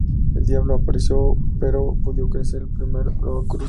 El Diablo apareció, pero pidió ser el primero en cruzar.